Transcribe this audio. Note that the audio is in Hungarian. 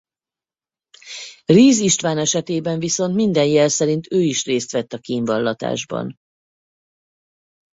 Ries István esetében viszont minden jel szerint ő is részt vett a kínvallatásban.